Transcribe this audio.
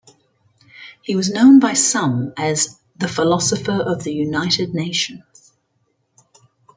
He was known by some as "the philosopher of the United Nations".